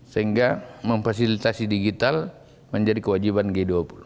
sehingga memfasilitasi digital menjadi kewajiban g dua puluh